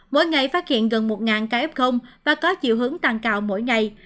mỗi ngày phát hiện gần một ca f và có chiều hướng tăng cao mỗi ngày